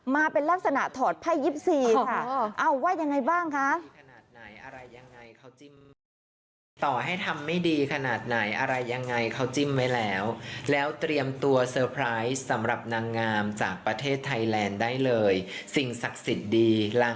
มาเป็นลักษณะถอดไพ่๒๔ค่ะว่ายังไงบ้างคะ